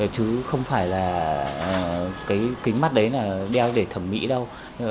chứ không phải là cái kính mắt đấy là đeo để thẩm mỹ đâu